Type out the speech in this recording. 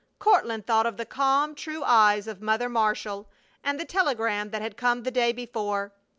Courtland thought of the calm, true eyes of Mother Marshall and the telegram that had come the day before.